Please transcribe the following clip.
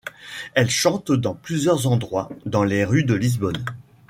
Elle chante dans plusieurs endroits, dans les rues de Lisbonne.